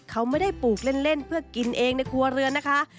เขาไม่ได้ปลูกเล่นเพื่อกินเองในครัวเรือนนะคะ